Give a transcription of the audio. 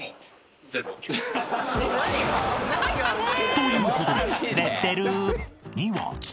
［ということで］